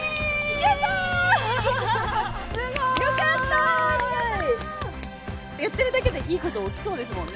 やってるだけでいい事起きそうですもんね。